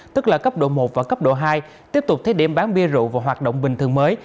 tức là cấp độ một và cấp độ hai tiếp tục thế điểm bán bia rượu và hoạt động bình thường mới